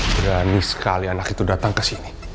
berani sekali anak itu datang kesini